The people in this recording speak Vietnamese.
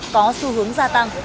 có xu hướng gia tăng